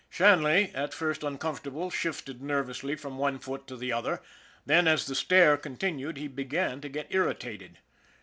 Shanley, at first uncomfortable, shifted nervously from one foot to the other; then, as the stare continued, he began to get irritated.